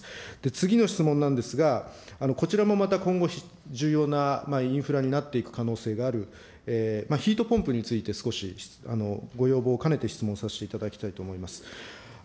次の質問なんですが、こちらもまた今後、重要なインフラになっていく可能性がある、ヒートポンプについて少しご要望を兼ねて質問させていただきたいと思います。